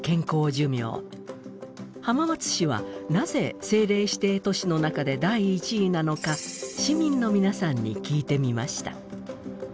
浜松市はなぜ政令指定都市の中で第１位なのか市民の皆さんに聞いてみました。